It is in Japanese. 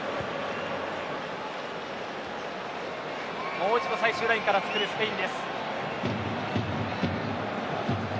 もう一度最終ラインから作るスペイン。